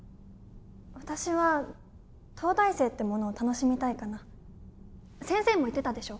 私は東大生ってものを楽しみたいかな先生も言ってたでしょ？